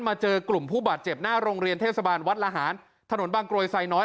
เจอกลุ่มผู้บาดเจ็บหน้าโรงเรียนเทศบาลวัดละหารถนนบางกรวยไซน้อย